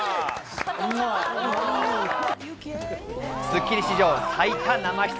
『スッキリ』史上、最多生出演。